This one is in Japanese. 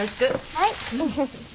はい。